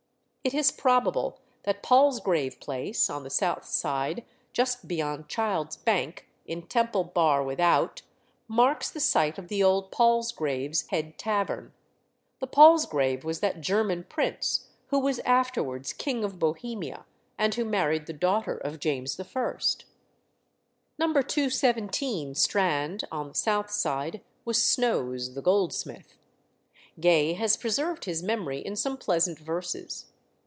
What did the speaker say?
It is probable that Palsgrave Place, on the south side, just beyond Child's bank, in Temple Bar without, marks the site of the Old Palsgrave's Head Tavern. The Palsgrave was that German prince who was afterwards King of Bohemia, and who married the daughter of James I. No. 217 Strand, on the south side, was Snow's, the goldsmith. Gay has preserved his memory in some pleasant verses.